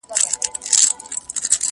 کېدای سي سپينکۍ نم وي.